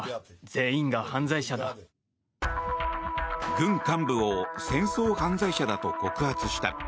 軍幹部を戦争犯罪者だと告発した。